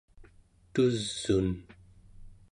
tus'un